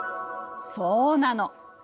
そうなの。